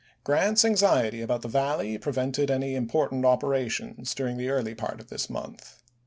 Grant's anxiety about the Valley prevented any important operations during the early part of this month.